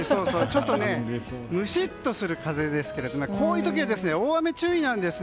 ちょっとムシッとする風ですけどこういう時は大雨に注意なんです。